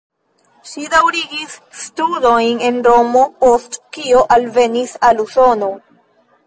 Ŝi daŭrigis studojn en Romo, post kio alvenis al Usono.